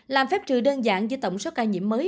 làm phép trừ đơn giản với tổng số ca nhiễm mới